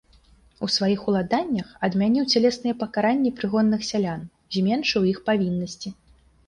У сваіх уладаннях адмяніў цялесныя пакаранні прыгонных сялян, зменшыў іх павіннасці.